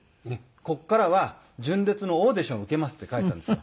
ここからは純烈のオーディションを受けますって書いたんですよ。